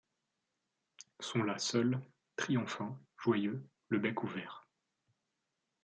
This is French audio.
Sont là seuls, triomphants, joyeux, le bec ouvert.